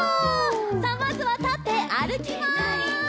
さあまずはたってあるきます！